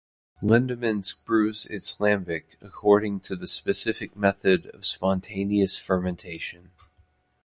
Lindemans brews its lambic according to the method of spontaneous fermentation.